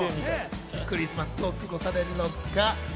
クリスマス、どう過ごされるのか？